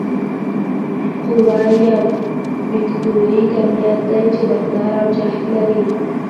قوه یو وکتوري کمیت دی چې مقدار او جهت لري.